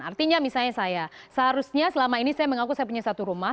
artinya misalnya saya seharusnya selama ini saya mengaku saya punya satu rumah